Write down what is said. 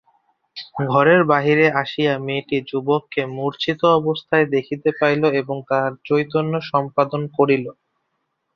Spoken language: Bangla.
ঘরের বাহিরে আসিয়া মেয়েটি যুবককে মূর্ছিত অবস্থায় দেখিতে পাইল এবং তাহার চৈতন্য সম্পাদন করিল।